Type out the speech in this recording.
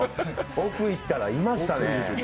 奥行ったらいましたね